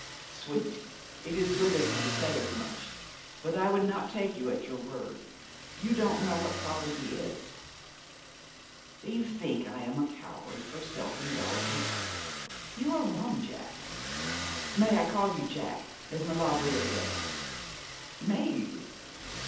'Sweet! it is good of you to say as much, but I would not take you at your word. You don't know what poverty is.' 'Do you think I am a coward, or self indulgent? You are wrong, Jack. May I call you Jack, as Maulevrier does?' 'May you?'